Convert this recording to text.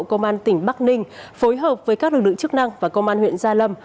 công an tỉnh bắc ninh phối hợp với các lực lượng chức năng và công an huyện gia lâm